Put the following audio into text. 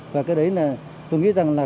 và cái đấy là tôi nghĩ rằng là